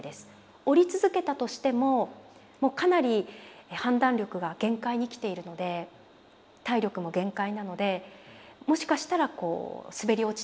下り続けたとしてももうかなり判断力が限界に来ているので体力も限界なのでもしかしたらこう滑り落ちて滑落するかもしれない。